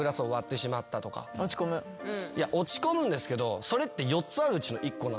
いや落ち込むんですけどそれって。